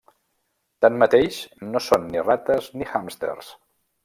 Tanmateix, no són ni rates ni hàmsters.